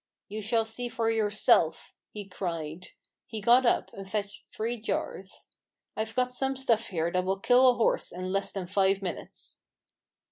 "You shall see for yourself!' he cried. He got up, and fetched three jars. "I've got some stuff here that will kill a horse in less than five minutes."